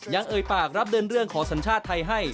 เอ่ยปากรับเดินเรื่องขอสัญชาติไทยให้